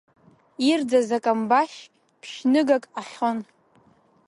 Ирӡаз акамбашь ԥшь-ныгак ахьон.